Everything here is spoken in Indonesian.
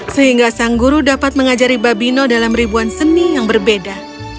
sehingga sang guru dapat mengajari babino dalam ribuan seni yang berbeda